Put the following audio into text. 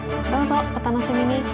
どうぞお楽しみに！